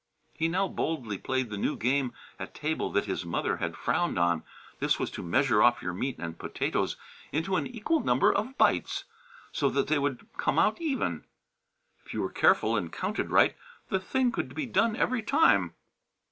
He now boldly played the new game at table that his mother had frowned on. This was to measure off your meat and potatoes into an equal number of "bites," so that they would "come out even." If you were careful and counted right, the thing could be done every time.